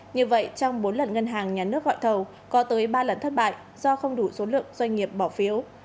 như vậy trong bốn lần ngân hàng nhà nước gọi thầu có tới ba lần thất bại do không đủ số lượng doanh nghiệp bỏ phiếu